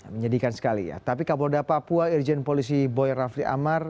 menyedihkan sekali ya tapi kapolda papua irjen polisi boy rafli amar